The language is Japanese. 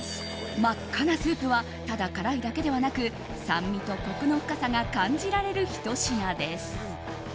真っ赤なスープはただ辛いだけではなく酸味とコクの深さが感じられるひと品です。